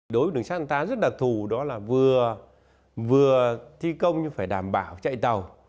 đối với đường sắt người ta rất đặc thù đó là vừa thi công nhưng phải đảm bảo chạy tàu